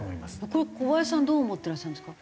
これ小林さんはどう思ってらっしゃるんですか？